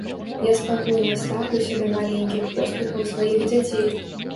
Я спакойна стаўлюся да маленькіх поспехаў сваіх дзяцей.